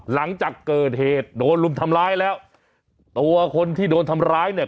หลังจากเกิดเหตุโดนลุมทำร้ายแล้วตัวคนที่โดนทำร้ายเนี่ย